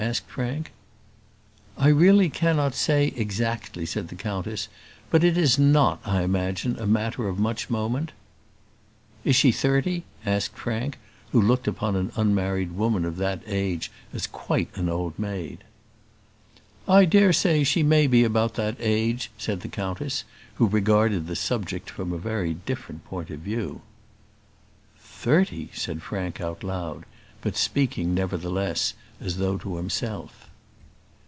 asked Frank. "I really cannot say exactly," said the countess; "but it is not, I imagine, matter of much moment." "Is she thirty?" asked Frank, who looked upon an unmarried woman of that age as quite an old maid. "I dare say she may be about that age," said the countess, who regarded the subject from a very different point of view. "Thirty!" said Frank out loud, but speaking, nevertheless, as though to himself.